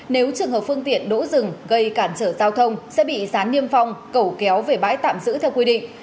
nếu trường hợp phương tiện đỗ rừng gây cản trở giao thông sẽ bị gián niêm phong cầu kéo về bãi tạm giữ theo quy định